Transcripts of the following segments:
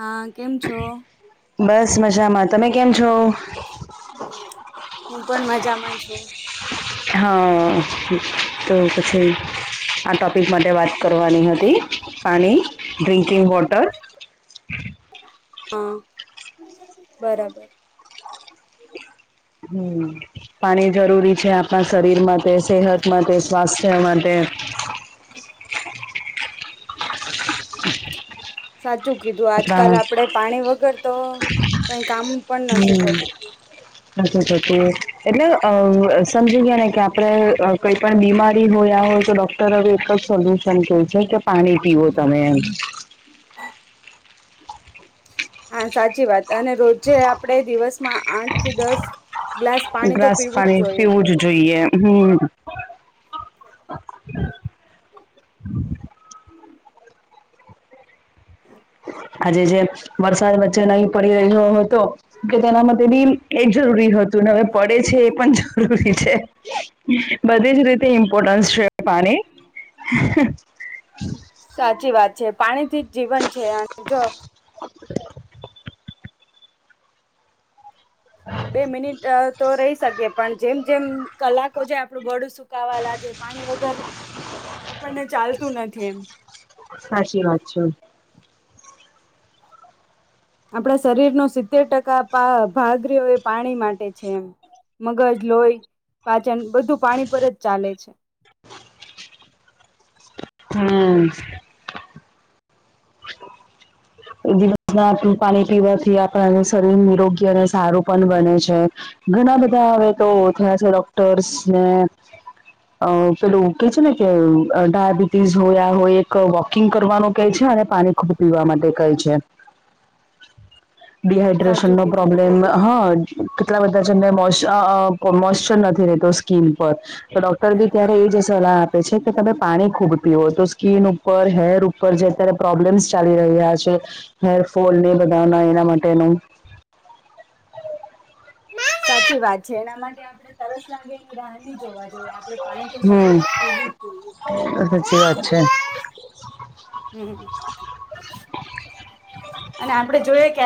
હા કેમ છો? બસ મજામાં. તમે કેમ છો? હું પણ મજામાં છું. હા અ અ તો પછી આ ટોપિક માટે વાત કરવાની હતી. પાણી, ડ્રિંકિંગ વોટર. હ અ, બરાબર. હમ્મ, પાણી જરૂરી છે આપણા શરીર માટે સેહત માટે, સ્વાસ્થ્ય માટે સાચું કીધું આજકાલ આપણા આપડે પાણી વગર તો કઈ કામ પણ નથી હમ થતું. [unintelligible] નથી થતું એટલે અ સમજી ગયા ને કે આપડણે કઈ પણ બીમારી હોયા હોય તો ડોક ટર એક જ સોલ્યુશન કહે છે કે પાણી પીવો તમે એમ. હા, સાચી વાત અને રોજે આપણે દિવસમાં આઠ થી દસ ગ્લાસ પાણી તો ગ્લાસ પીવું જ પાણી જોઈએ. પીવું જ જોઈએ, હમ્મ. આજે જે વરસાદ વચ્ચે નહીં પડી રહ્યો હતો કે તેના માટે ભી એ જરૂરી હતું ને હવે પડે છે એ પણ જરૂરી છે બધે જ રીતે ઇમ્પોર્ટન્સ છે પાણી. સાચી વાત છે પાણીથી જીવન છે અને જો [unintelligible] બે તો રહી શકીએ, પણ જેમ-જેમ જાય, આપણું બડું સુકાવા લાગે. પાણી વગર આપણને ચાલતું નથી એમ. સાચી વાત છે. આપણા શરીર નું સિત્તેર ટકા ભાગ રીયો એ પાણી માટે છે એમ. મગજ, લોહી, પાચન બધું પાણી પર જ ચાલે છે. હમ. દિવસ ના પાણી પીવાથી આપણાને શરીર નિરોગી અને સારું પણ બને છે. ઘણા બધા હવે તો થયા છે, ડોક્ટર્સ ને અ પેલું કે છે ને કે, ડાયાબિટીસ હોય હોય, એક કુકિંગ કરવાનું કહે છે, અને પાણી ખુબ પીવા માટે ડિહાઈડ્રેશન સાચું નો કીધું પ્રોબ્લેમ હા. કેટલા બધા જેમને મોશ્ચર નથી રતો, સ્કીિન પર. તો ડોક્ટર બી ત્યારે એ જ સલાહ આપે છે કે, તમે પાણી ખૂબ પીવા તો સ્કીન ઉપર, હેર ઉપર, જે અત્યારે પ્રોબ્લેમ્સ ચાલી રહ્યા છે. હેરફોલ ને, બધાના એના માટેનું સાચી વાત છે, એના માટે આપડણે તરસ લાગે, એની રાહની જોવાએ. જો આપડે પાણી તો હમ સતતું જોઈએ. સાચી વાત હમ, અને આપડે જોઈએ કે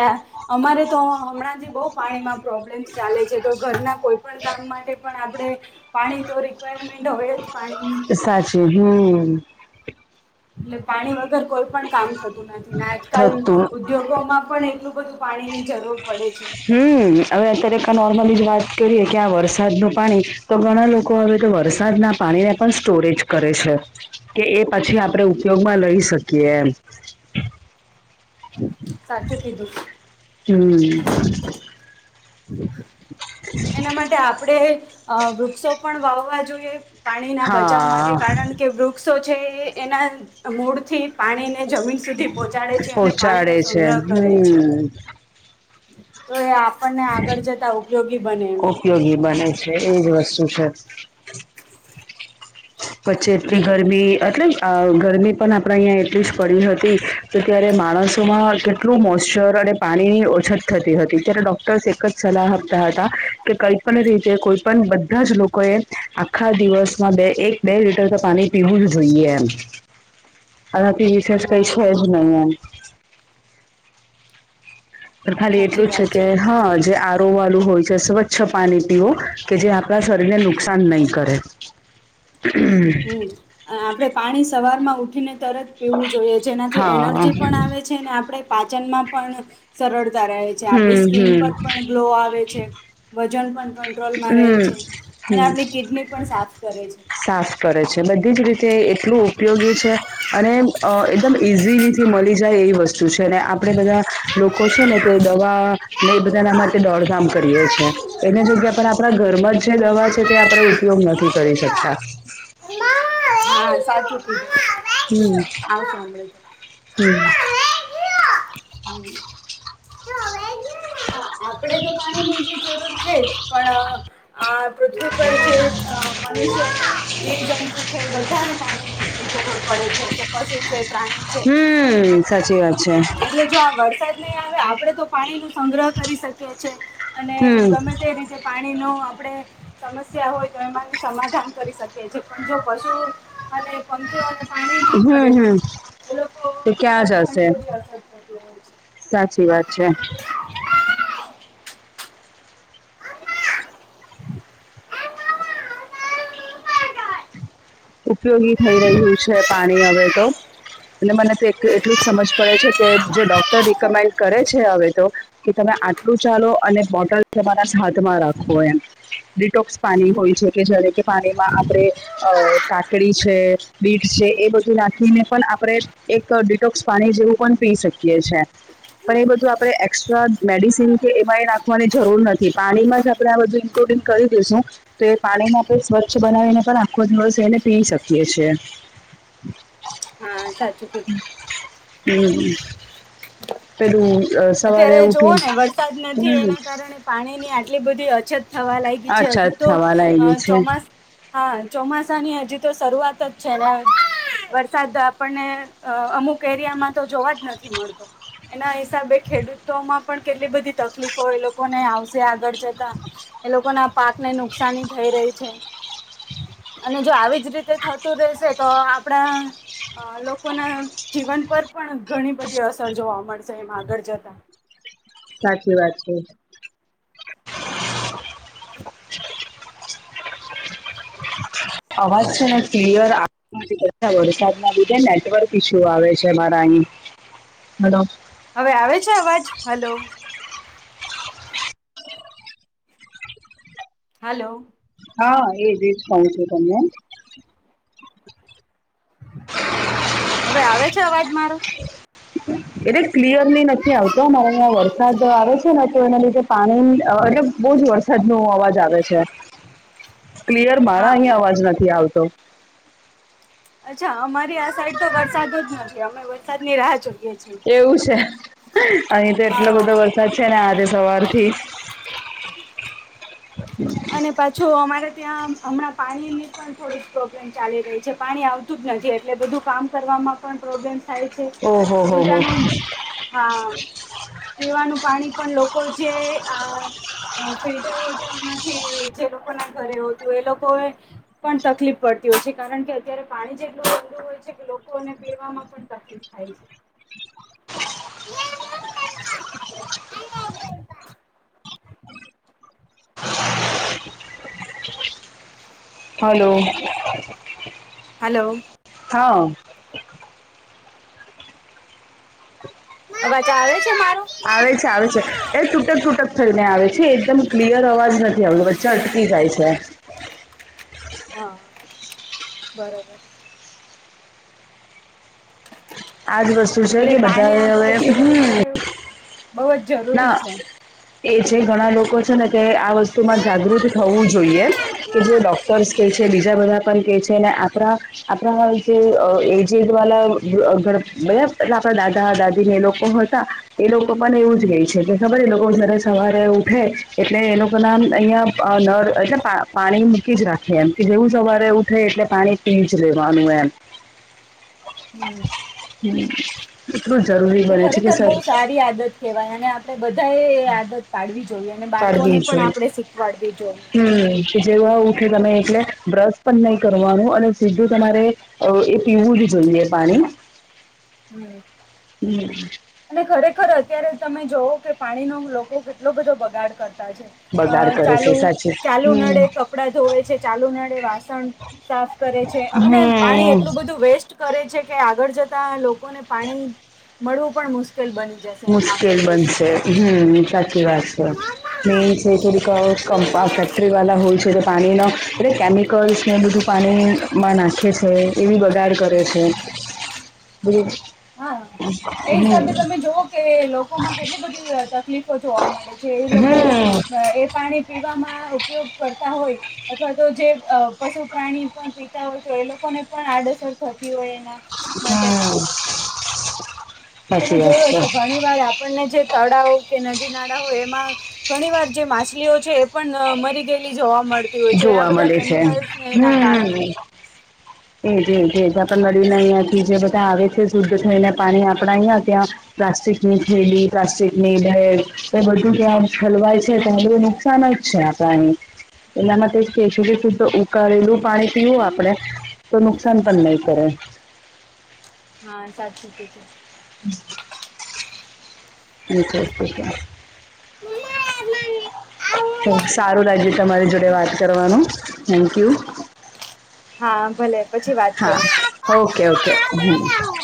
અમારે તો હમણાં જે બહુ પાણીમાં પ્રોબ્લેમ્સ ચાલે છે, તો ઘરના કોઈ પણ કામ માટે પણ આપણે પાણી તો રિક્વાયરમેન્ટ હોય જ પાણીની. કેવી? [unintelligible] એટલે પાણી વગર કોઈ પણ કામ થતું નથી ને, આજકાલ. થતું ઉદ્યોગોમાં પણ એટલું બધું પાણીની જરૂર પડે છે. હમ, હવે અત્યારે ક નોર્મલી વાત કરીએ કે, આ વરસાદનું પાણી તો ઘણા લોકો હવે તો વરસાદ પાણીને સ્ટોરેજ કરે છે. કે એ પછી આપણે ઉપયોગમાં લઈ શકીએ એમ. [unintelligible] હમ. એના આપણેે વૃક્ષો પણ વાવવા પાણી ના બચાવવા માટે, હા કારણ કે વૃક્ષો છે, એના મૂળ થી પાણી ને, જમીન સુધી પહચ ચાડે છે, અને પાણી પહોંચાડે નો છે સંગ્રહ કરે છે. હમ. તો એ આપણને આગળ જતા ઉપયોગી બને એમ. ઉપયોગી બને છે, એ જ વસ્તુ છે. [unintelligible] પછી એટલી ગરમી એ મતલબ ગરમી પણ આપણે અહીંયા એટલી જ પડી હતી. તો ત્યારે માણસોમાં કેટલું મોશ્ચર અને પાણીની ઓછત થતી હતી, ત્યારે ડોક્ટર્સ એક જ સલાહ આપતા હતા કે, કલ્પના રીતે કોઈ પણ બધા જ લોકોએ, આખા દિવસમાં બે-એક બે લીટર તો પાણી પીવું જ જોઈએ, એમ આનાથી વિશેષ કઈ હા છે જ નહીં એમ. ખાલી સાચી એટલું વાત કે છે હા જે વાળું છે, સ્વચ્છ પીવો કે, જે આપણા શરીરને નુકસાન નહી કરે. [inaudible] હમ, આપણે પાણી સવાર માં ઉઠીને તરત પીવું જોઈએ છે, જેનાથી હા એનર્જી પણ આવે છે અને આપણે પાચનમાં પણ સરળતા રહે છે આપણી હમ સ્કીન હમ પર પણ ગ્લો આવે છે વજન પણ કંટ્રોલમાં રહે હમ છે હમ અને આપણી કિડની પણ સાફ કરે છે. સાફ કરે છે, બધી જ રીતે એટલું ઉપયોગી છે. અને અ ઈઝીલીથી મળી જાય એવી વસ્તુ છે અને આપણેે બધા લોકો છે ને તે દવા ને એ બધાના માટે દોડધામ કરીએ છે. એની જગ્યા પણ આપણા ઘરમાં જ જે દવા છે તે આપણે ઉપયોગ નથી કરી શકતા. હા સાચું કીધુ હમ આવ સાંભળે. હમ હમ્મ. [inaudible] આપડે તો પાણીની જરૂર છે જ પણ આ પૃથ્વી પર છે મનુષ્ય જીવ જંતુ છે એવું બધું પાણીની એટલી જરૂર પડે છે કે કશું છે પ્રાણી છે હમ્મ, સાચી વાત છે. એટલે જો આ વરસાદ નહીં આવે આપણેે તો પાણી નો સંગ્રહ કરી શકીએ છીએ અને હમ ગમે તે રીતે પાણીનો આપણે સમસ્યા હોય તો એમાંને સમાધાન કરી શકીએ છીએ પણ જો પશુ અને પંચો પાણી મળે હમ તો હમ એ લોકો તો ક્યાં જશે ઘણી બધી હસ [inaudible] સાચી વાત છે. [inaudible] [inaudible] ઉપયોગી થઈ રહ્યું છે પાણી હવે તો. અને મને તો એક એટલું જ સમજ પડે છે કે જે ડોક્ટર રિકમેન્ડ કરે છે હવે તો. કે તમે આટલું ચાલો અને બોટલ તમારા હાથમાં રાખો એમ. ડિટોક્સ પાણી હોય છે કે જ્યારે કે પાણીમાં આપણે અ કાકડી છે, બીટ છે એ બધું નાખીને પણ આપણે એક ડિટોક્સ પાણી જેવું પણ પી શકીએ. [unintelligible] છે. પણ એ બધું આપણે એક્સ્ટ્રા મેડિસિન કે એમાંય નાખવાની જરૂર નથી પાણીમાં જ આપણે આ બધું ઇન્લુડિંગ કરી દેશું તો પાણીમાં આપણે સ્વચ્છ બનાવીને પણ આખો દિવસ એણે પી શકીએ છીએ. હા સાચું કીધું હમ્મ, પેલું સવારે અત્યારે ઉઠીન, હમ્મ. પાણી ની આટલી બધી અછત થવા લાગી છે અચ્છા હજુ તો થવાના અ એ છે ચોમાસ હા, ચોમાસા ની હજી તો શરૂઆત જ છે ને વરસાદ આપણને અમુક એરિયામાં તો જોવા જ નથી મળતો. એના હિસાબે ખેડૂતો માં પણ બધી તકલીફો એ લોકોને આવશે આગળ જતા. એ લોકોના પાકને નુકસાની થઈ રહી છે. અને જો આવીજ રીતે થતું રેશે તો આપણા અ લોકોના જીવન પર પણ ઘણી બધી અસર જોવા મળશે એમ આગળ જતા. તા. સાચી વાત છે. અવાજ છે ને ક્લિયર આ વરસાદના લીધે નેટવર્ક ઇસ્યૂ આવે છે મારા અહી, હાલો. હવે આવે છે અવાજ? હાલો. હાલો. હા એ જ એજ પણ છું તમને. હવે આવે છે, અવાજ મારો? એટલે ક્લિયરલી નથી આવતો, અમારે અહીંયા વરસાદ આવે છે ને, તો એના લીધે. પાણી એટલે બહુ જ વરસાદ નુ અવાજ આવે છે. ક્લિયર મારા હા અહીં હા અવાજ નથી આવતો. અચ્છા, અમારી આ સાઈડ તો વરસાદ જ નથી, અમે વરસાદ ની રાહ જુ એવું છે, અહીં તો એટલો બધો હા વરસાદ છે ને, આજે સવારથી અને પાછું અમારે ત્યાં હમણાં પાણીની પણ થોડીક પ્રોબ્લેમ ચાલી રહી છે, પાણી આવ તું જ નથી, એટલે બધું કામ કરવામાં પણ પ્રોબ્લેમ્સ થાય છે, ઓહો હો હો ઉલટાનું. હા. પીવાનું પાણી પણ લોકો છે, આ ફિલ્ટર વોટર નથી, જે લોકો ના ઘરે હોતું, એ લોકો એ પણ તકલીફ પડતી હોય છે, કારણ કે અત્યારે પાણીજેટલું ઓછું હોય છે કે, લોકોને પીવામાં પણ શુ તકલીફ થાય છે? [unintelligible] [inaudible] હલો. [inaudible] હલો. હા. અવાજ આવે છે મારો? આવે છે, આવે છે, એ તૂટક-તૂટક થઈને આવે છે, એકદમ ક્લિયર અવાજ નથી આવતો, વચ્ચે અટકી જાય છે. હ ને બરોબર. આજ વસ્તુ છે એટલે કે, પાણી બધા હવે આપણા જીવન માટે હ. બહુ જ. ના જરૂરી છે. એ જે ઘણા લોકો ને કે, આ વસ્તુમાં જાગૃત થવું જોઈએ કે, જે ડોક્ટર્સ કે છે, બીજા બધા પણ કે છે ને, આપણા આપણા જે એજ બધા આપણા દાદા-દાદી ને, એ લોકો હોય. તા એ લોકો પણ એવું છે, એ ખબર એ સવારે ઉઠે એટલે એ લોકો નામ અહિયાં નર એ પા પાણી મૂકી જ રાખે, એમ કે જેવું સવારે એવું ઊઠે, એટલે પાણી પી જ લેવાનું એમ. હમ્મ હમ, એટલું જરૂરી એ બને છે કે ખરેખર બહુ સર. સારી આદત કહેવાય, અને આપડે બધાએ આદત પાડવી જોઈએ, અને કાઢવી બાળકોને પણ જોઈએ આપડે શીખવાડવી જોઈએ. હમ, કે જેવા ઉઠે તમે એટલે બ્રશ પણ નહી કરવાનું, અને સીધું તમારે એ પીવું જ જોઈએ પાણી. હમ. હમ. અને ખરેખર અત્યારે તમે જોવો કે, પાણીનો લોકો કેટલો બધો બગાડ કરતા છે. અ બગાડ કરે છે ચાલુ સાચી ચાલુ નળે, હમ કપડાં ધોવે છે, ચાલુ નડે વાસણ સાફ કરે છે, અને પાણી હમ એટલું બધું વેસ્ટ કરે છે કે, આગળ જતા લોકોને પાણી મળવું પણ મુશ્કેલ બને. મુશ્કેલ બનશે. હમ સાચી વાત. [unintelligible] ફરીવાલા હોય છે, તે પાણીનો એટલે કેમિકલ્સને બધું પાણીમાં નાખે છે. એવી બગાડ કરે છે. હા, એ હિસાબે તમે જોવઓ. કે લોકોમાં કેટલી બધી તકલીફો જોવા મળે છે એ લોકો એ પાણી પીવામાં ઉપયોગ કરતા હોય અથવા તો જે અ પશુ પ્રાણી પણ પીતા હોય તો એ લોકોને પણ આડઅસર થતી હોય એના માટે હા. તમે જોયું હશે ઘણી વાર આપણને જે તળાવ કે નદી નાળા હોય એમાં ઘણી વાર જે માછલીઓ છે એ પણ મરી ગયેલી જોવા મળતી હોય છે આ જોવા બધા મળે છે કેમિકલ્સ ને એના હમ કારણે એજ એજ પણ નળીને અહિયાં થી જે બધા આવે છે શુદ્ધ થઈને પાણી આપડા અહિયાં ત્યાં પ્લાસ્ટિકની થેલી પ્લાસ્ટિકની બેગ એ બધું ત્યાં ઠલવાય છે તો હ નુકસાન જ છે પણ એલા માટે કેેશુગ સુુધ ઉકાળેલું પાણી પીવું આપડે તો નુકસાન પણ નહીં કરે હા સાચી કીધું. [inaudible] [inaudible] [unintelligible] પણ સારુ લાગ્યું તમારી જોડે વાત કરવાનું થેન્કયુ હા ભલે પછી વાત હા કરીએ. ઓકે ઓકે હમ્મ. મને